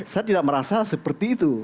saya tidak merasa seperti itu